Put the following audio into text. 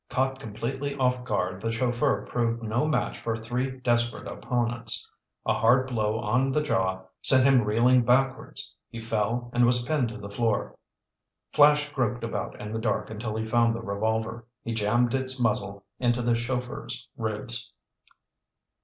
Caught completely off guard, the chauffeur proved no match for three desperate opponents. A hard blow on the jaw sent him reeling backwards. He fell and was pinned to the floor. Flash groped about in the dark until he found the revolver. He jammed its muzzle into the chauffeur's ribs.